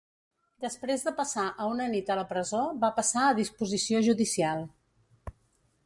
Després de passar a una nit a la presó va passar a disposició judicial.